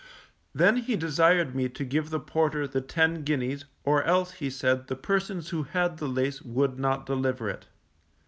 Then he desired me to give the porter the ten guineas, or else (he said) the persons who had the lace would not deliver it.